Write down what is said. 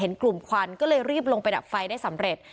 เห็นกลุ่มควันก็เลยรีบลงไปดับไฟได้สำเร็จ